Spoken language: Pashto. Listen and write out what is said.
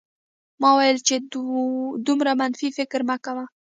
ما وویل چې دومره منفي فکر مه کوه